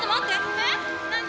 えっ何？